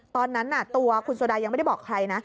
ตอนนั้นตัวคุณโซดายังไม่ได้บอกใครนะ